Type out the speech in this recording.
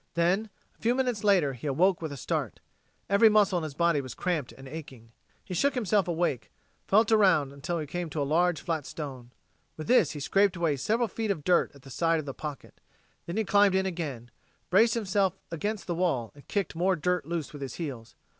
Then, a few minutes later, he awoke with a start. Every muscle in his body was cramped and aching. He shook himself awake, felt around until he came to a large flat stone. With this he scraped away several feet of dirt at the side of the pocket. Then he climbed in again, braced himself against the wall and kicked more dirt loose with his heels.